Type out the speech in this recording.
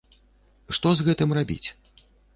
Што з гэтым рабіць?